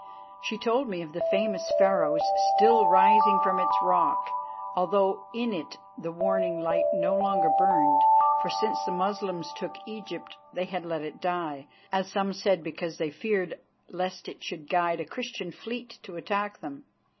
She told me of the famous Pharos still rising from its rock, although in it the warning light no longer burned, for since the Moslems took Egypt they had let it die, as some said because they feared lest it should guide a Christian fleet to attack them.